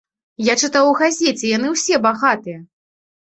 Я чытаў у газеце, яны ўсе багатыя!